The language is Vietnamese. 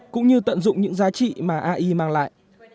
cũng như tận dụng những giá trị mà ai mang lại